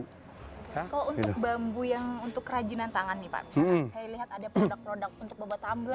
kalau untuk bambu yang untuk kerajinan tangan nih pak saya lihat ada produk produk untuk bobot tamble